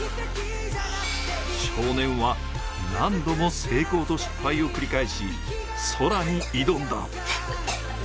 少年は何度も成功と失敗を繰り返し、空に挑んだ。